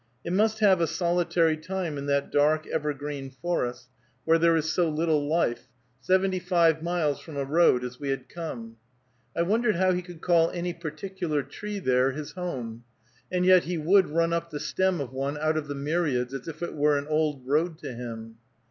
It must have a solitary time in that dark evergreen forest, where there is so little life, seventy five miles from a road as we had come. I wondered how he could call any particular tree there his home; and yet he would run up the stem of one out of the myriads, as if it were an old road to him.